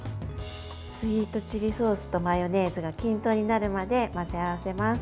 スイートチリソースとマヨネーズが均等になるまで混ぜ合わせます。